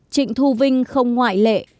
trịnh thu vinh không ngoại lệ